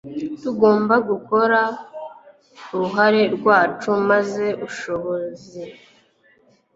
Tugomba gukora uruhare rwacu, maze ubushobozi